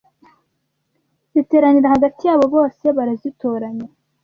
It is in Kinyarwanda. ziteranira hagati yabo bose, barazitoranya